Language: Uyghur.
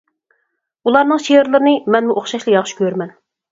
ئۇلارنىڭ شېئىرلىرىنى مەنمۇ ئوخشاشلا ياخشى كۆرىمەن.